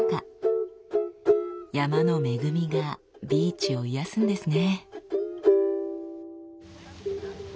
山の恵みがビーチを癒やすんですね。